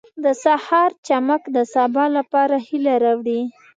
• د سهار چمک د سبا لپاره هیله راوړي.